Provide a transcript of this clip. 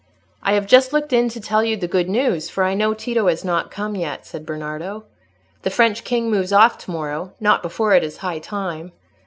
"I have just looked in to tell you the good news, for I know Tito has not come yet," said Bernardo. "The French king moves off to morrow: not before it is high time.